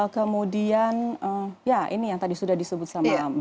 kemudian ya ini yang tadi sudah disebut sama mbak mbak obesitas